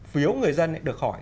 phiếu người dân được khỏi